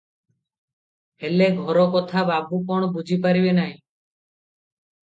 ହେଲେ ଘର କଥା ବାବୁ କଣ ବୁଝି ପାରିବେ ନାହିଁ?